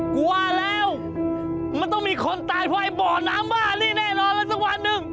กลัวแล้วมันต้องมีคนตายเพราะไอ้บ่อน้ำบ้านี่แน่นอนแล้วสักวันหนึ่ง